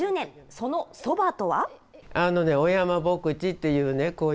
そのそばとは？